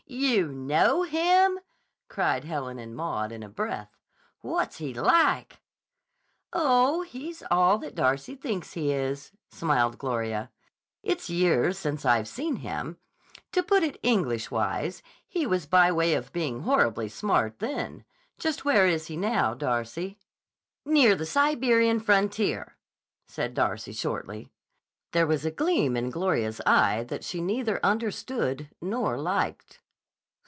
"You know him!" cried Helen and Maud in a breath. "What's he like?" "Oh, he's all that Darcy thinks he is," smiled Gloria. "It's years since I've seen him. To put it Englishwise, he was by way of being horribly smart, then. Just where is he now, Darcy?" "Near the Siberian frontier," said Darcy shortly. There was a gleam in Gloria's eye which she neither understood nor liked.